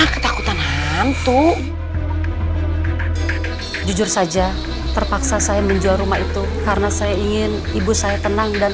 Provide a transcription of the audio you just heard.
ketakutan hantu jujur saja terpaksa saya menjual rumah itu karena saya ingin ibu saya tenang dan